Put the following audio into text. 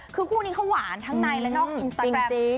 คือคู่นี้เขาหวานทั้งในและนอกอินสตาแกรม